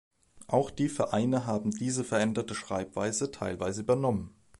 Auch die Vereine haben diese veränderte Schreibweise teilweise übernommen.